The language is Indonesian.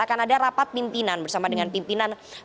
akan ada rapat pimpinan bersama dengan pimpinan